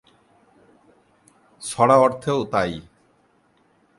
ছড়া অর্থেও তাই।